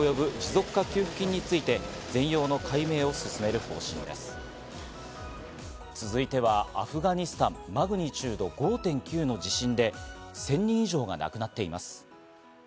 続いては、アフガニスタン、マグニチュード５．９の地震で１０００人以上が亡くなっています。